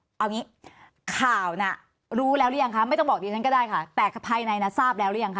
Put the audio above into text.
เอางี้ข่าวน่ะรู้แล้วหรือยังคะไม่ต้องบอกดิฉันก็ได้ค่ะแต่ภายในน่ะทราบแล้วหรือยังค